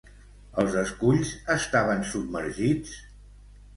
Els esculls estaven submergits?